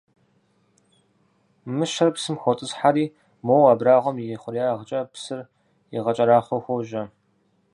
Мыщэр псым хотӀысхьэри, мо абрагъуэм и хъуреягъкӀэ псыр игъэкӀэрахъуэу хуожьэ.